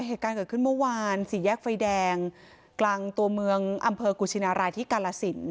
เหตุการณ์เกิดขึ้นเมื่อวานสี่แยกไฟแดงกลางตัวเมืองอำเภอกุชินารายที่กาลสิน